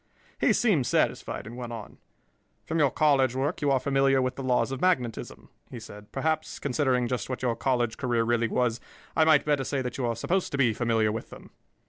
He seemed satisfied, and went on. "From your college work you are familiar with the laws of magnetism," he said. "Perhaps, considering just what your college career really was, I might better say that you are supposed to be familiar with them."